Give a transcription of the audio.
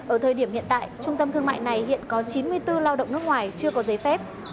ở thời điểm hiện tại trung tâm thương mại này hiện có chín mươi bốn lao động nước ngoài chưa có giấy phép